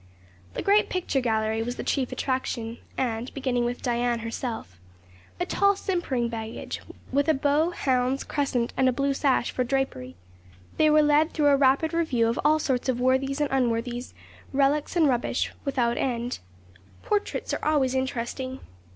The great picture gallery was the chief attraction; and beginning with Diane herself a tall, simpering baggage, with a bow, hounds, crescent, and a blue sash for drapery they were led through a rapid review of all sorts of worthies and unworthies, relics and rubbish, without end. Portraits are always interesting.